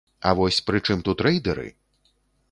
А вось пры чым тут рэйдэры?